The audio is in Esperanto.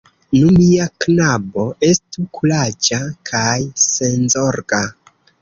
Nu, mia knabo, estu kuraĝa kaj senzorga...